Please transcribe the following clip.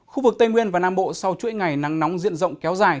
khu vực tây nguyên và nam bộ sau chuỗi ngày nắng nóng diện rộng kéo dài